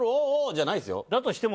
じゃないですよ。